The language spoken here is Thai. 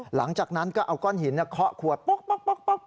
หลังจากนั้นก็เอาก้อนหินเคาะขวดป๊อก